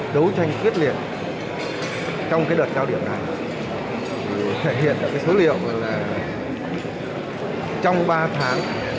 đấu tranh tuyết liệt trong đợt trao điểm này thể hiện được số liệu là trong ba tháng